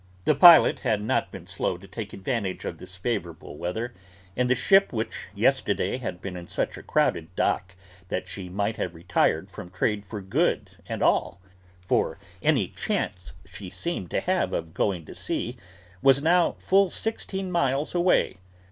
The pilot had not been slow to take advantage of this favourable weather, and the ship which yesterday had been in such a crowded dock that she might have retired from trade for good and all, for any chance she seemed to have of going to sea, was now full sixteen miles away.